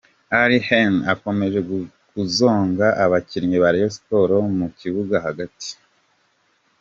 ' Aly Hefny akomeje kuzonga abakinnyi ba Rayon Sports mu kibuga hagati.